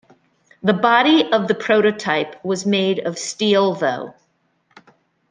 The body of the prototype was made of steel though.